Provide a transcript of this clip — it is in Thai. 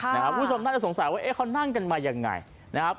ค่ะครับคนส่วนมาจะสงสัยว่าเอ๊ะเขานั่งกันมายังไงนะครับ